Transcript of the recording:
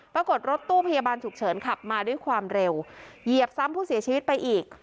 รถตู้พยาบาลฉุกเฉินขับมาด้วยความเร็วเหยียบซ้ำผู้เสียชีวิตไปอีก